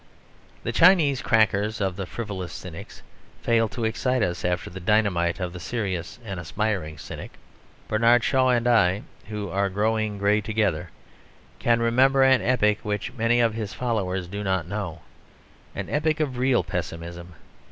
The Chinese crackers of the frivolous cynics fail to excite us after the dynamite of the serious and aspiring cynic. Bernard Shaw and I (who are growing grey together) can remember an epoch which many of his followers do not know: an epoch of real pessimism.